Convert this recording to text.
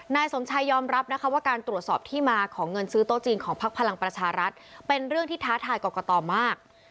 นายสมชายยอมรับนะคะว่าการตรวจสอบที่มาของเงินซื้อโต๊ะจีนของพักพลังประชารัฐเป็นเรื่องที่ท้าทายกรกตมาก